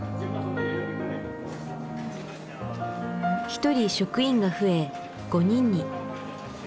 １人職員が増え５人に。